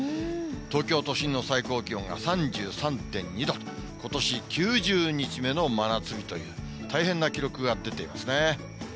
東京都心の最高気温が３３．２度と、ことし９０日目の真夏日という、大変な記録が出ていますね。